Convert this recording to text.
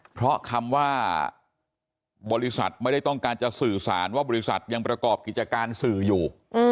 เพราะคำว่าบริษัทไม่ได้ต้องการจะสื่อสารว่าบริษัทยังประกอบกิจการสื่ออยู่